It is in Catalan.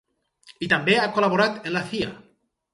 I també ha col·laborat en la Cia.